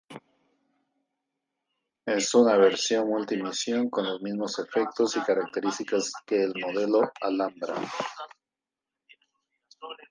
Es una versión multi-misión con los mismos efectos y características que el modelo Alhambra.